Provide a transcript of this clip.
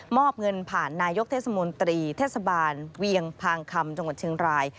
อบเงินผ่านนายกเทศมนตรีเทศบาลเวียงพางคำจังหวัดเชียงราย